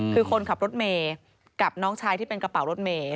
คือคนขับรถเมย์กับน้องชายที่เป็นกระเป๋ารถเมย์